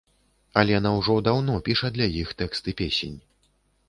Алена ўжо даўно піша для іх тэксты песень.